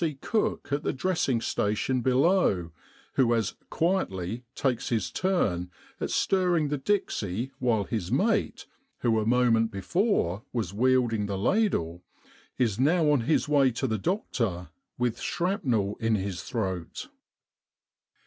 C. cook at the dressing station below, who as "quietly" takes his turn at stirring the dixie while his mate, who a moment before was wielding the ladle, is now on his way to the doctor with shrapnel in his throat.